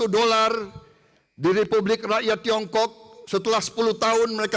satu dolar setelah sepuluh tahun